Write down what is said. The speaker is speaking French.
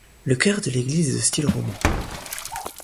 Le cœur de l'église est de style roman.